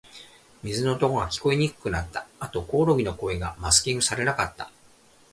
水の音が、聞こえにくくなった。あと、コオロギの声がマスキングされなかった。